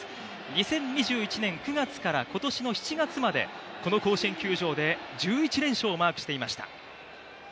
２０２１年９月から今年の７月までこの甲子園球場で１１連勝をマークしていました。